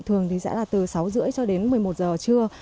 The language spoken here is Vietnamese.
thường thì sẽ là từ sáu h ba mươi cho đến một mươi một giờ trưa